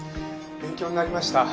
勉強になりました。